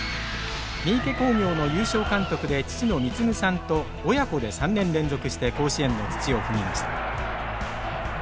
三池工業の優勝監督で父の貢さんと親子で３年連続して甲子園の土を踏みました。